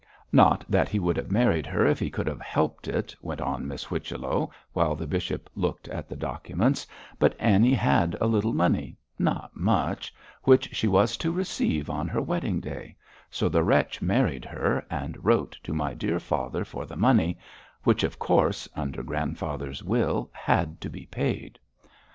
'Not that he would have married her if he could have helped it,' went on Miss Whichello, while the bishop looked at the documents, 'but Annie had a little money not much which she was to receive on her wedding day, so the wretch married her and wrote to my dear father for the money, which, of course, under grandfather's will, had to be paid.